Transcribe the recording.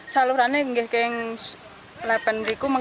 selalu berhubungan dengan air isi ulang